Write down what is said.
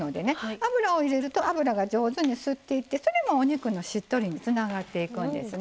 油を入れると油が上手に吸っていってそれもお肉のしっとりにつながっていくんですね。